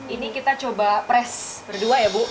ini kita coba press berdua ya bu